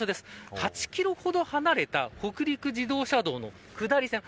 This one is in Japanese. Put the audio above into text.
８キロほど離れた北陸自動車道の下り線。